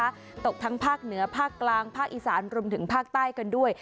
ตกทั้งภาคเหนือภาคกลางภาคอีสานรวมถึงภาคใต้กันด้วย